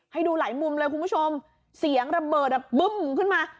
ให้ดูหลายมุมเลยคุณผู้ชมเสียงระเบิดอ่ะบึ้มขึ้นมา